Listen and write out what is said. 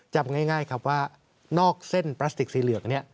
จำง่ายครับว่านอกเส้นพลาสติกสีเหลืองเนี่ย